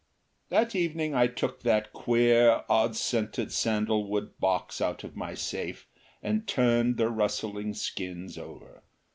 That evening I took that queer, odd scented sandalwood box out of my safe and turned the rustling skins over.